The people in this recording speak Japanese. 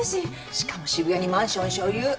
しかも渋谷にマンション所有。